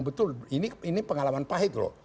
betul ini pengalaman pahit loh